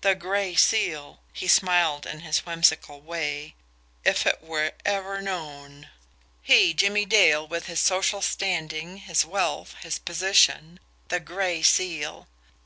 The Gray Seal! He smiled in his whimsical way. If it were ever known! He, Jimmie Dale, with his social standing, his wealth, his position the Gray Seal!